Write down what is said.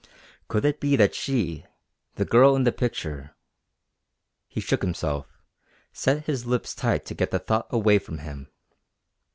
Could it be that she, the girl in the picture....? He shook himself, set his lips tight to get the thought away from him.